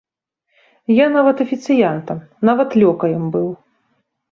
Я нават афіцыянтам, нават лёкаем быў.